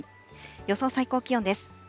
予想最高気温です。